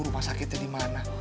rumah sakitnya di mana